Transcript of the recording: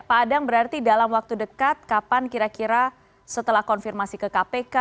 pak adang berarti dalam waktu dekat kapan kira kira setelah konfirmasi ke kpk